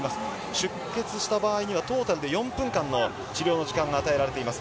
出血した場合にはトータルで４分間の治療の時間が与えられています。